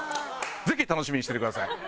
ぜひ楽しみにしててください。